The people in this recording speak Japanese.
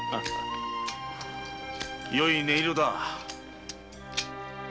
よい音色だ。